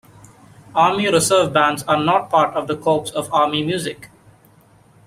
Army Reserve Bands are not part of the Corps of Army Music.